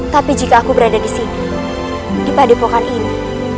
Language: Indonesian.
tapi jika aku berada di sini di padepokan ini